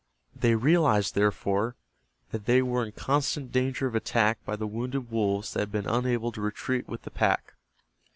They realized, therefore, that they were in constant danger of attack by the wounded wolves that had been unable to retreat with the pack.